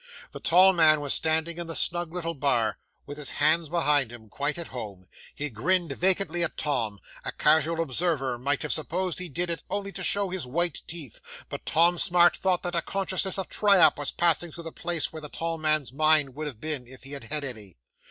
The tall man was standing in the snug little bar, with his hands behind him, quite at home. He grinned vacantly at Tom. A casual observer might have supposed he did it, only to show his white teeth; but Tom Smart thought that a consciousness of triumph was passing through the place where the tall man's mind would have been, if he had had any.